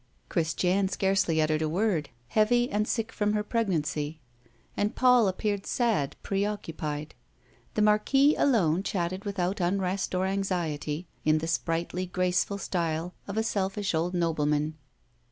Christiane scarcely uttered a word, heavy and sick from her pregnancy. And Paul appeared sad, preoccupied. The Marquis alone chatted without unrest or anxiety, in the sprightly, graceful style of a selfish old nobleman.